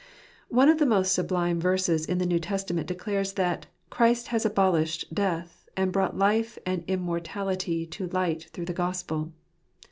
One of the most sublime verses in the New Testament declares that "Christ has abolished death, and brought life and immortality to light through the Gospel."